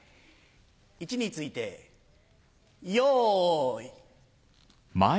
位置についてよい。